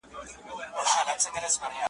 ته به سوځې په پانوس کي شمعي مه ساته لمبې دي `